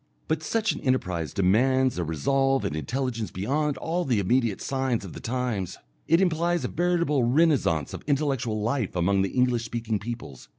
But such an enterprise demands a resolve and intelligence beyond all the immediate signs of the times; it implies a veritable renascence of intellectual life among the English speaking peoples.